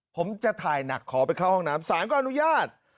ผมจะถ่ายหนักขอไปเข้าห้องน้ำสารก็อนุญาต